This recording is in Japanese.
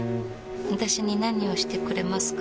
私に何をしてくれますか？